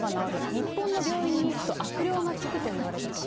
日本の病院に行くと悪霊がつくと言われたと。